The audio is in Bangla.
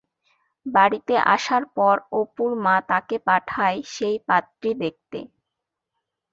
বাড়িতে আসার পর অপুর মা তাকে পাঠায় সেই পাত্রী দেখতে।